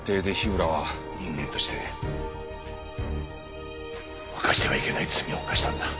人間として犯してはいけない罪を犯したんだ。